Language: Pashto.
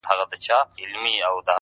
o ستړى په گډا سومه ؛چي؛ ستا سومه؛